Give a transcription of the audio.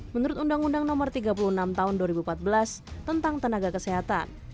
menurut undang undang no tiga puluh enam tahun dua ribu empat belas tentang tenaga kesehatan